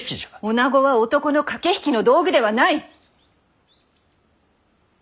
おなごは男の駆け引きの道具ではない！